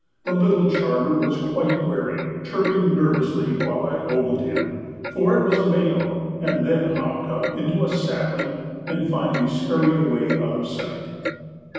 The little charmer was quite wary, chirping nervously while I ogled him—for it was a male—and then hopped up into a sapling and finally scurried away out of sight."